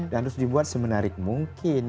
dan harus dibuat semenarik mungkin